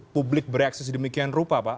publik bereaksi sedemikian rupa pak